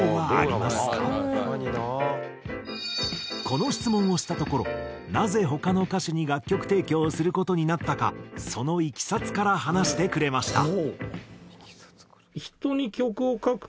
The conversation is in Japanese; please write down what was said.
この質問をしたところなぜ他の歌手に楽曲提供をする事になったかそのいきさつから話してくれました。